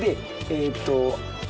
えっと